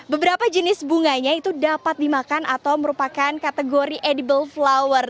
beberapa jenis bunganya itu dapat dimakan atau merupakan kategori edible flower